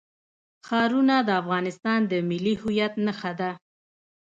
ښارونه د افغانستان د ملي هویت نښه ده.